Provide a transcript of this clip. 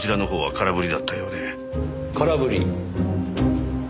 空振り。